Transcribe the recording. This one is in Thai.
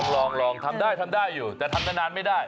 ลองทำได้อยู่แต่ทำนานไม่ได้